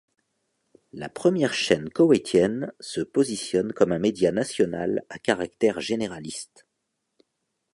La première chaîne koweïtienne se positionne comme un média national à caractère généraliste.